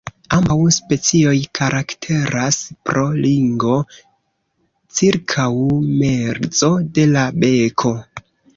Ambaŭ specioj karakteras pro ringo cirkaŭ mezo de la beko.